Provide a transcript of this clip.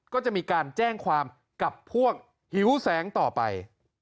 ก็จะมีการแจ้งความกับพวกหิวแสงต่อไป